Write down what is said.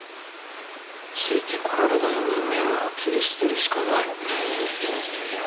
ついてこられない人間を切り捨てるしかない。